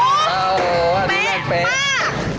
โอ้โฮเป๊ะมาก